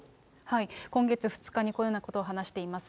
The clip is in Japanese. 今月２日にこのようなことを話しています。